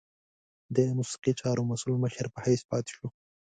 د موسیقي چارو مسؤل مشر په حیث پاته شو.